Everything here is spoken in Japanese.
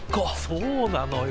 そうなのよ。